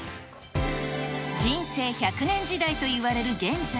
人生１００年時代といわれる現在。